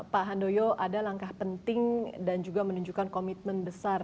pak handoyo ada langkah penting dan juga menunjukkan komitmen besar